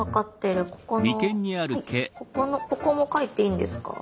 ここも描いていいんですか？